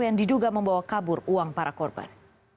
yang diduga membawa kabur uang para korban